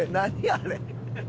あれ。